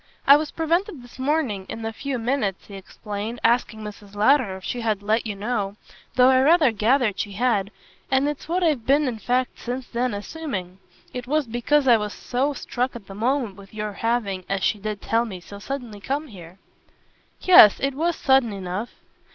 "I was prevented this morning, in the few minutes," he explained, "asking Mrs. Lowder if she had let you know, though I rather gathered she had; and it's what I've been in fact since then assuming. It was because I was so struck at the moment with your having, as she did tell me, so suddenly come here." "Yes, it was sudden enough."